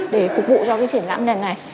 để phục vụ cho cái triển lãm nền này